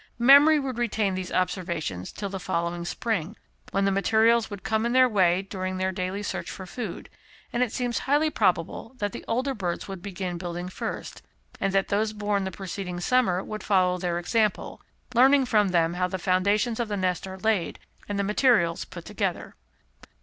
Memory would retain these observations till the following spring, when the materials would come in their way during their daily search for food, and it seems highly probable that the older birds would begin building first, and that those born the preceding summer would follow their example, learning from them how the foundations of the nest are laid and the materials put together.